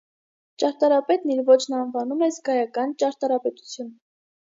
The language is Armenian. Ճարտարապետն իր ոճն անվանում էր «զգայական ճարտարապետություն»։